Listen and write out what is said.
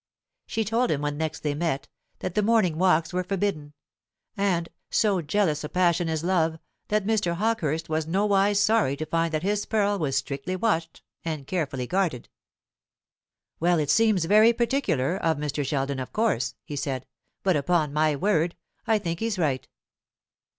She told him, when next they met, that the morning walks were forbidden; and, so jealous a passion is love, that Mr. Hawkehurst was nowise sorry to find that his pearl was strictly watched and carefully guarded. "Well, it seems very particular of Mr. Sheldon, of course," he said; "but, upon my word, I think he's right.